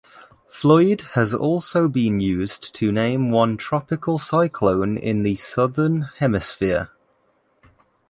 Floyd has also been used to name one tropical cyclone in the Southern Hemisphere.